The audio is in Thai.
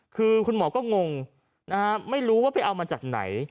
คือคุณหมอก็งงนะฮะไม่รู้ว่าไปเอามาจากไหน